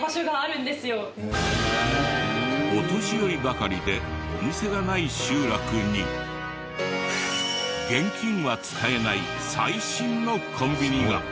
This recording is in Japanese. お年寄りばかりでお店がない集落に現金は使えない最新のコンビニが。